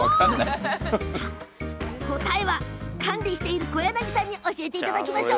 さあ答えは管理している小柳さんに教えていただきます。